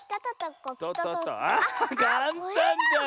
あかんたんじゃん！